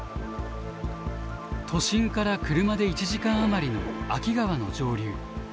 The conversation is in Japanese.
都心から車で１時間余りの秋川の上流。